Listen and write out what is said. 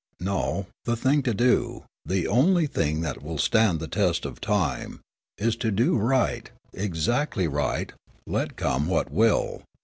No, the thing to do the only thing that will stand the test of time is to do right, exactly right, let come what will.